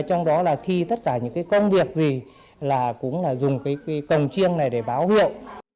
trong đó là khi tất cả những cái công việc gì là cũng là dùng cái cồng chiêng này để báo hiệu